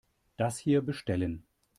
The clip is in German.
Das hier bestellen.